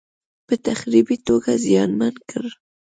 په تخریبي توګه زیانمن کړ.